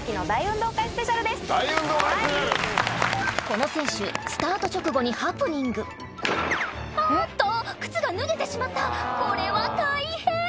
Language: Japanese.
この選手スタート直後にハプニングあっと靴が脱げてしまったこれは大変！